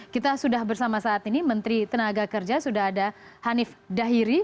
kita sudah bersama saat ini menteri tenaga kerja sudah ada hanif dahiri